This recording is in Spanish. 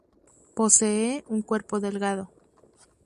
Posee un cuerpo delgado.